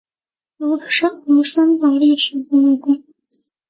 卢森堡市历史博物馆是位于卢森堡首都卢森堡市的一座博物馆。